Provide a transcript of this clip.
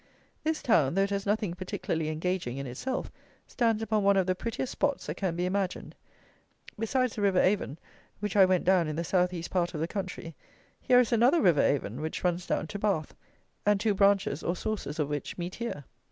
This town, though it has nothing particularly engaging in itself, stands upon one of the prettiest spots that can be imagined. Besides the river Avon, which I went down in the south east part of the country, here is another river Avon, which runs down to Bath, and two branches, or sources, of which meet here.